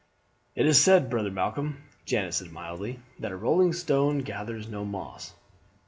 "It is said, brother Malcolm," Janet said mildly, "that a rolling stone gathers no moss."